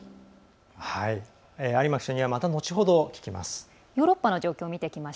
有馬記者にはまた後ほど聞きます。